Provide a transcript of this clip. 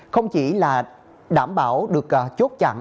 không chỉ là đảm bảo được chốt chặn